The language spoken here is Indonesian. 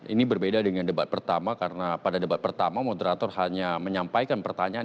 ini berbeda dengan debat pertama karena pada debat pertama moderator hanya menyampaikan pertanyaan